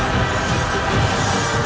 mereka mencari mati